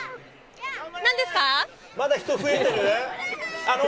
まだ人増えてる？